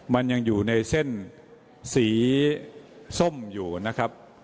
มันยังอยู่ในเส้นสีส้มอยู่นะครับ